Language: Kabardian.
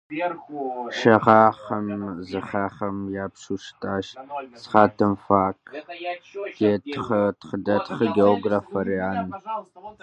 Щэ гъэхэм зыхьэхэм я пщу щытащ Стахемфак, - етх тхыдэтх, географ Арриан.